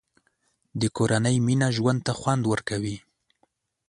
د کورنۍ مینه ژوند ته خوند ورکوي.